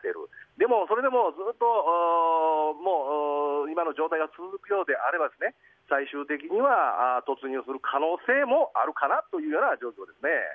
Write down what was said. でも、それでもずっと今の状態が続くようであれば最終的には突入する可能性もあるかなというような状況ですね。